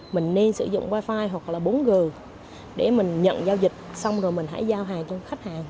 mình nên sử dụng wifi hoặc là bốn g để mình nhận giao dịch xong rồi mình hãy giao hàng cho khách hàng